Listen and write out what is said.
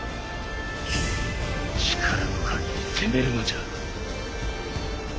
力の限り攻めるのじゃ。